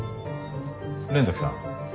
連崎さん。